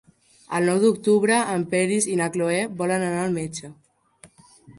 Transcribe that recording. El nou d'octubre en Peris i na Cloè volen anar al metge.